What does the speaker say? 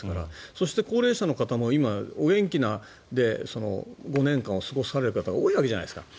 そして高齢者の方も今、お元気で５年間を過ごされる方多いわけじゃないですか。